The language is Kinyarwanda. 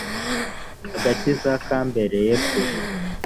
agakiza kambereye kure.